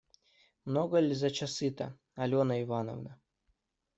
Много ль за часы-то, Алена Ивановна?